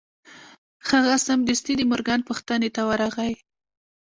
هغه سمدستي د مورګان پوښتنې ته ورغی